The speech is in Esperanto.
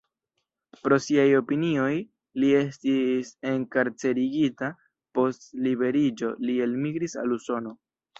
Pro siaj opinioj li estis enkarcerigita, post liberiĝo li elmigris al Usono.